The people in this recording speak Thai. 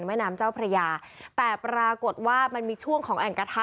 แม่น้ำเจ้าพระยาแต่ปรากฏว่ามันมีช่วงของแอ่งกระทะ